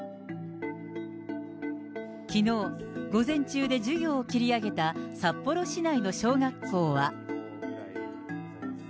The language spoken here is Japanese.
きのう、午前中で授業を切り上げた札幌市内の小学校は。